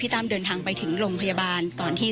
ชอบขาวเขียวอย่างเนี่ยดอกไม้ทรงนี้คือกับแกชอบเรียบ